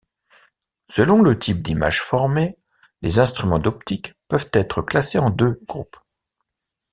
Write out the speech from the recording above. Selon le type d'image formée, les instruments d'optique peuvent être classés en deux groupes.